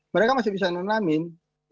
mereka masih bisa nanamin